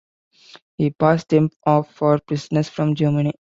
He passed them off for prisoners from Germany.